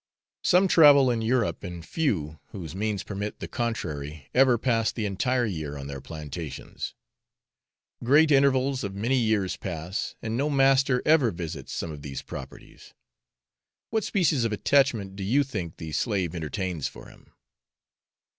Some travel in Europe, and few, whose means permit the contrary, ever pass the entire year on their plantations. Great intervals of many years pass, and no master ever visits some of these properties: what species of attachment do you think the slave entertains for him?